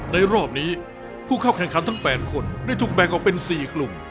รอบนี้ผู้เข้าแข่งขันทั้ง๘คนได้ถูกแบ่งออกเป็น๔กลุ่ม